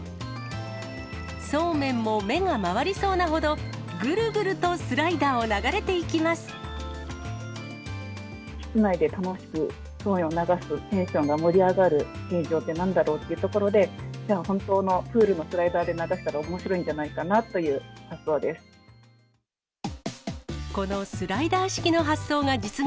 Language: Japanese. そうめんも目が回りそうなほど、ぐるぐるとスライダーを流れてい室内で楽しくそうめんを流す、テンションが盛り上がる形状ってなんだろうってところで、じゃあ、本当のプールのスライダーで流したらおもしろいんじゃないかなという発想です。